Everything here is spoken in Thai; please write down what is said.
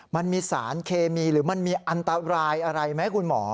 มันมีสารเคมีหรือมันมีอันตรายอะไรไหมคุณหมอ